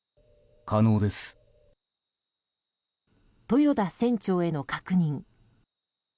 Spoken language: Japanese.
豊田船長への確認。